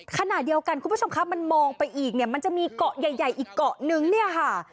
ขณะเดียวกันคุณผู้ชมครับมันมองไปอีกเนี่ยมันจะมีเกาะใหญ่ใหญ่อีกเกาะนึงเนี่ยค่ะ